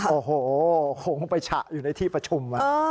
โอ้โหคงไปฉะอยู่ในที่ประชุม